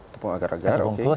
tepung agar agar oke